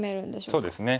そうですね。